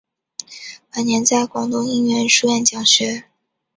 晚年在广东应元书院讲学。